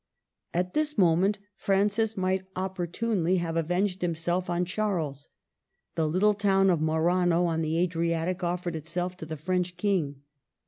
At this moment Francis might opportunely have avenged himself on Charles. The little town of Marano on the Adriatic offered itself to the French King.